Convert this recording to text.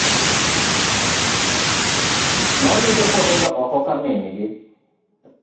Noyude konindo oko ka min gi.